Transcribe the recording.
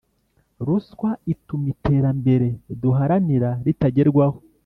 Ruswa ituma iterambere duharanira ritagerwaho